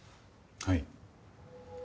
はい。